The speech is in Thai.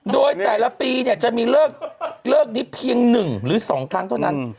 โดยแต่ละปีเนี่ยจะมีเลิกนี้เพียง๑หรือ๒ครั้งเท่านั้น